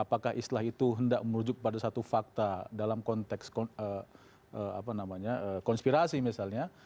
apakah istilah itu hendak menunjukkan satu fakta dalam konteks konspirasi misalnya